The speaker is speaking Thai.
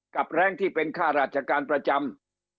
แรงที่เป็นค่าราชการประจำ